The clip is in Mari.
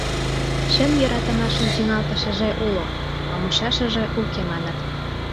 Чын йӧратымашын тӱҥалтышыже уло, а мучашыже уке, маныт.